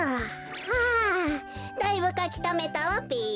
はあだいぶかきためたわべ。